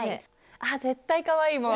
あっ絶対かわいいもう。